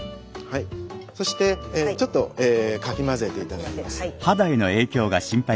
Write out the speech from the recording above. そしてちょっとかき混ぜて頂きます。